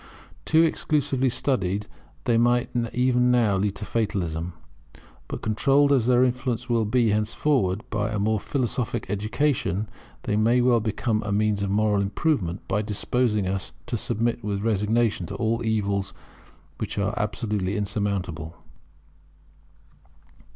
Too exclusively studied they might even now lead to fatalism; but controlled as their influence will be henceforward by a more philosophic education, they may well become a means of moral improvement, by disposing us to submit with resignation to all evils which are absolutely insurmountable.